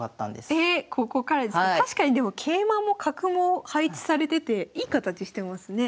確かにでも桂馬も角も配置されてていい形してますね。